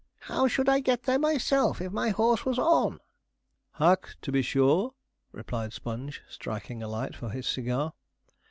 How should I get there myself, if my horse was on?' 'Hack, to be sure,' replied Sponge, striking a light for his cigar.